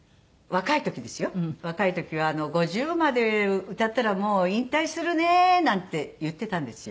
若い時は「５０まで歌ったらもう引退するね」なんて言ってたんですよ。